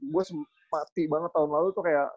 gue sempat mati banget tahun lalu tuh kayak